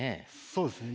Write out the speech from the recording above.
そうですね。